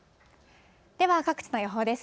では各地の予報です。